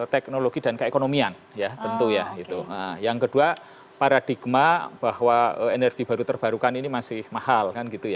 teknologi dan keekonomian ya tentu ya yang kedua paradigma bahwa energi baru terbarukan ini masih mahal